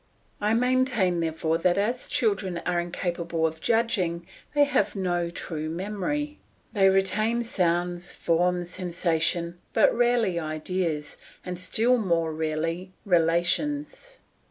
I maintain, therefore, that as children are incapable of judging, they have no true memory. They retain sounds, form, sensation, but rarely ideas, and still more rarely relations.